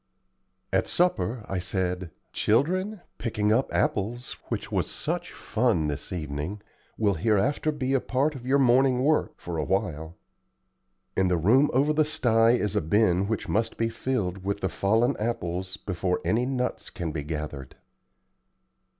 At supper I said: "Children, picking up apples, which was such fun this evening, will hereafter be part of your morning work, for a while. In the room over the sty is a bin which must be filled with the fallen apples before any nuts can be gathered."